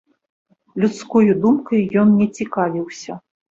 Людскою думкаю ён не цікавіўся.